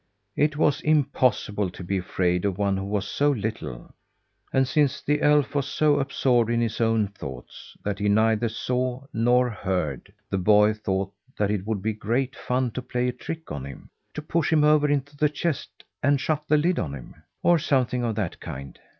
It was impossible to be afraid of one who was so little. And since the elf was so absorbed in his own thoughts that he neither saw nor heard, the boy thought that it would be great fun to play a trick on him; to push him over into the chest and shut the lid on him, or something of that kind.